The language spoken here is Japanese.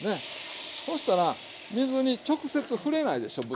そうしたら水に直接触れないでしょう